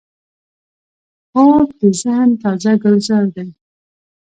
خوب د ذهن تازه ګلزار دی